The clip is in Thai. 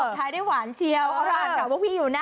อ๋อสดท้ายได้หวานเชียวเขารออ่านข่าวพวกพี่อยู่นะ